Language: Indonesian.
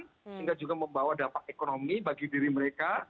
sehingga juga membawa dampak ekonomi bagi diri mereka